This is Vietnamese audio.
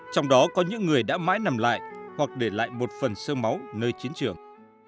trong đó có những người đã mãi nằm lại hoặc để lại một phần sơ máu nơi chiến trường